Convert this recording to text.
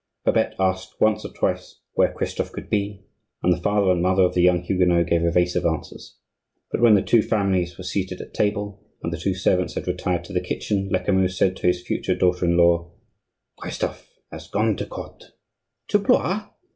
Babette asked once or twice where Christophe could be, and the father and mother of the young Huguenot gave evasive answers; but when the two families were seated at table, and the two servants had retired to the kitchen, Lecamus said to his future daughter in law:— "Christophe has gone to court." "To Blois!